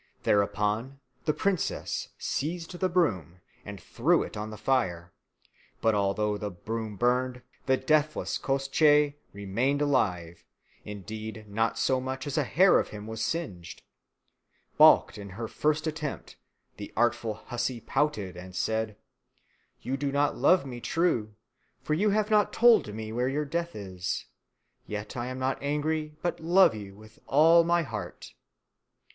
Thereupon the princess seized the broom and threw it on the fire, but although the broom burned, the deathless Koshchei remained alive; indeed not so much as a hair of him was singed. Balked in her first attempt, the artful hussy pouted and said, "You do not love me true, for you have not told me where your death is; yet I am not angry, but love you with all my heart."